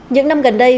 những năm gần đây